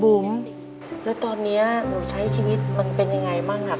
บุ๋มแล้วตอนนี้หนูใช้ชีวิตมันเป็นยังไงบ้างครับ